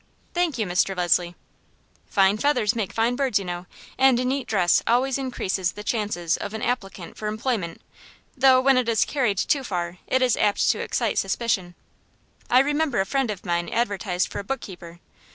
"Thank you, Mr. Leslie." "Fine feathers make fine birds, you know, and a neat dress always increases the chances of an applicant for employment, though, when it is carried too far, it is apt to excite suspicion. I remember a friend of mine advertised for a bookkeeper.